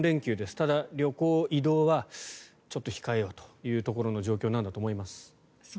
ただ、旅行・移動はちょっと控えようという状況なんだと思います。